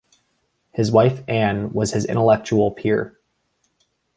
His wife Anne was his intellectual peer.